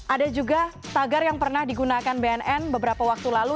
ada juga tagar yang pernah digunakan bnn beberapa waktu lalu